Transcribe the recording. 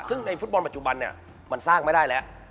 ซึ่งในฟุตบอลปัจจุบันเนี่ยมันสร้างไม่ได้แล้ว